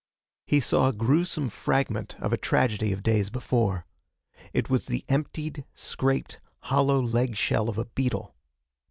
He saw a gruesome fragment of a tragedy of days before. It was the emptied, scraped, hollow leg shell of a beetle.